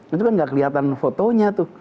itu kan gak kelihatan fotonya tuh